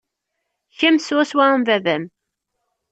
Kemm swaswa am baba-m.